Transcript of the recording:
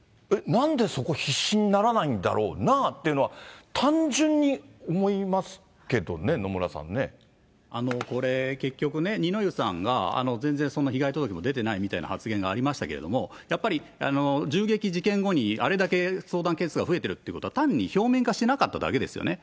なんでそこ必死にならないんだろうなっていうのは、単純に思いますけどね、野村さんね。これ、結局ね、二之湯さんが全然そんな被害届も出てないみたいな発言がありましたけれども、やっぱり銃撃事件後にあれだけ相談件数が増えてるっていうことは単に表面化してなかっただけですよね。